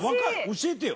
教えてよ。